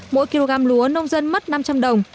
mỗi kg lúa nông dân mất năm trăm linh đồng